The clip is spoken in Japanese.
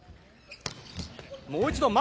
もう一度、前！